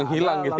menghilang gitu ya